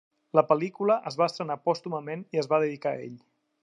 La pel·lícula es va estrenar pòstumament i es va dedicar a ell.